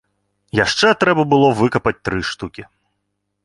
Яшчэ трэба было выкапаць тры штукі.